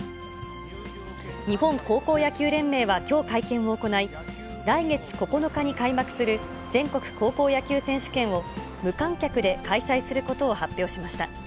日本高校野球連盟はきょう会見を行い、来月９日に開幕する全国高校野球選手権を、無観客で開催することを発表しました。